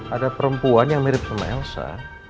ada perempuan yang mirip sama elsa